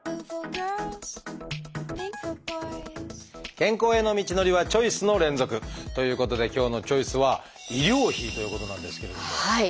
健康への道のりはチョイスの連続！ということで今日の「チョイス」は「医療費」ということなんですけれども。